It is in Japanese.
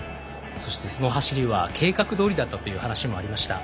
その走りは計画どおりだったという話もありました。